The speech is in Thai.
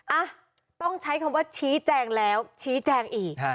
อ่ะต้องใช้คำว่าชี้แจงแล้วชี้แจงอีก